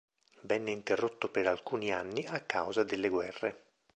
Venne interrotto per alcuni anni a causa delle guerre.